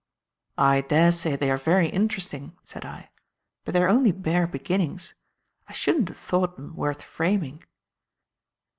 "I daresay they are very interesting," said I, "but they are only bare beginnings. I shouldn't have thought them worth framing."